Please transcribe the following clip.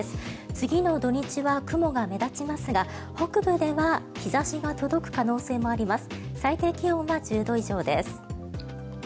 次の土日は雲が目立ちますが北部では日差しが届く可能性もあります。